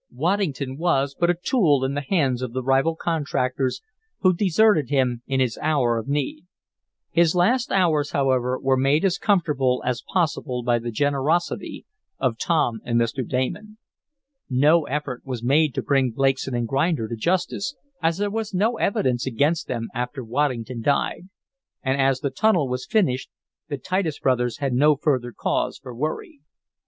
Waddington was but a tool in the hands of the rival contractors, who deserted him in his hour of need. His last hours, however, were made as comfortable as possible by the generosity of Tom and Mr. Damon. No effort was made to bring Blakeson & Grinder to justice, as there was no evidence against them after Waddington died. And, as the tunnel was finished, the Titus brothers had no further cause for worry.